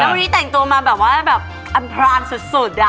แล้ววันนี้แต่งตัวมาแบบว่าแบบอันพรานสุดอ่ะ